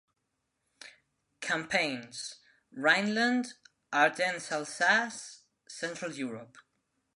Campaigns: Rhineland, Ardennes-Alsace, Central Europe.